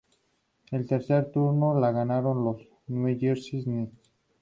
El tercer turno la ganaron los New Jersey Nets.